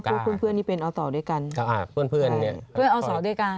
แล้วก็พวกเพื่อนเพื่อนนี่เป็นเอาสอด้วยกันอ่าเพื่อนเพื่อนเนี้ยเพื่อนเอาสอด้วยกัน